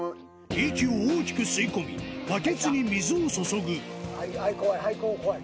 息を大きく吸い込みバケツに水を注ぐはい